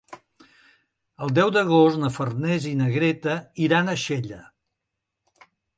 El deu d'agost na Farners i na Greta iran a Xella.